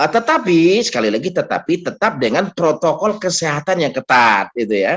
tetapi sekali lagi tetapi tetap dengan protokol kesehatan yang ketat